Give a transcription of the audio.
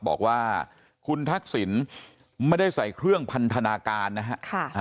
บอกว่าคุณทักษิณไม่ได้ใส่เครื่องพันธนาการนะฮะ